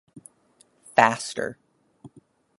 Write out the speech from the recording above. Faster.